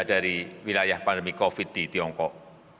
dari wilayah pandemi covid sembilan belas di tiongkok